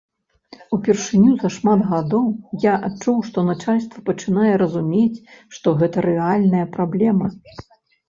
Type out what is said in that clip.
Упершыню за шмат гадоў я адчуў, што начальства пачынае разумець, што гэта рэальная праблема.